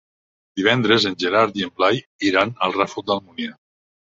Divendres en Gerard i en Blai iran al Ràfol d'Almúnia.